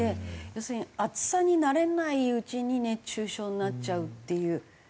要するに暑さに慣れないうちに熱中症になっちゃうっていう。